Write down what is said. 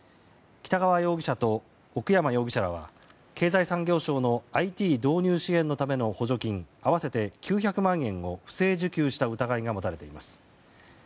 北川容疑者と奥山容疑者らは経済産業省のＩＴ導入支援のための補助金、合わせて９００万円を不正受給した疑いが持たれています。